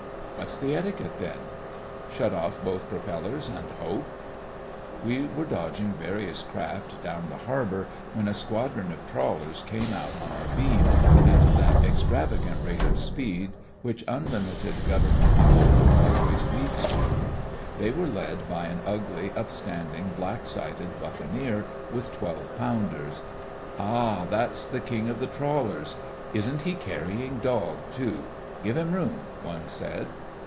"What's the etiquette then?" "Shut off both propellers and hope." We were dodging various craft down the harbour when a squadron of trawlers came out on our beam, at that extravagant rate of speed which unlimited Government coal always leads to. They were led by an ugly, upstanding, black sided buccaneer with twelve pounders. "Ah! That's the King of the Trawlers. Isn't he carrying dog, too! Give him room!" one said.